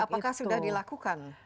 tapi apakah sudah dilakukan